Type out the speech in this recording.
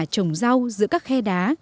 trồng rau giữa các khe đá